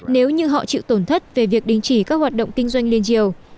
nếu như họ chịu tổn thất về việc đình chỉ các hoạt động kinh doanh liên triều